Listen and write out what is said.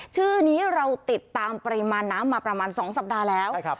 ชื่อนี้เราติดตามปริมาณน้ำมาประมาณ๒สัปดาห์แล้ว